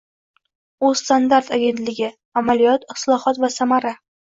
O‘zstandart agentligi: amaliyot, islohot va samara